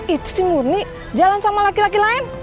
itu murni jalan sama laki laki lain